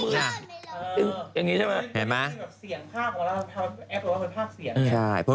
ไม่ชอบมั้ยหรอ